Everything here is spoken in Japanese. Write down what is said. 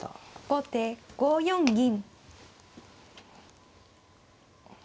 後手５四銀。